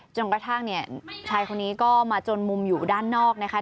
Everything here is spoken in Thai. จนกระทั่งเนี่ยชายคนนี้ก็มาจนมุมอยู่ด้านนอกนะคะ